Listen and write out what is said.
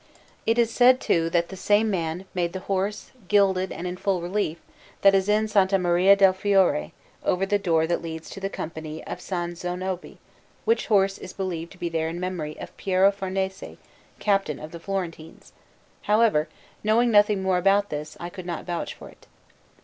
It is said, too, that the same man made the horse, gilded and in full relief, that is in S. Maria del Fiore, over the door that leads to the Company of S. Zanobi, which horse is believed to be there in memory of Piero Farnese, Captain of the Florentines; however, knowing nothing more about this, I could not vouch for it.